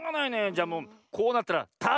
じゃもうこうなったらた